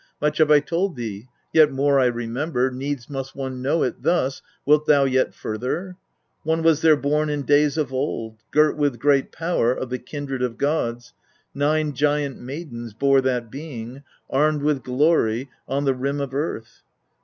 10. Much have I told thee, yet more I remember , needs must one know it thus, wilt thou yet further ? n. One was there born in days of old, girt with great power, of the kindred of gods. Nine giant maidens bore that being armed with glory on the rim of earth.